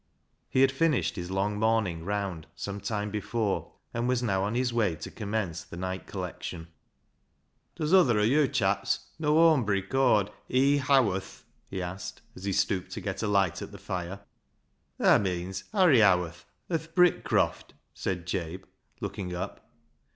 He had finished his long morning round some time before, and was now on his way to commence the night collection. " Does oather o' yo' chaps know awmbry caw'd LIGE'S LEGACY 149 E. Howarth ?" he asked, as he stooped to get a Hght at the fire. " Thaa meeans Harry Howarth o' th' Brick croft," said Jabe, looking up.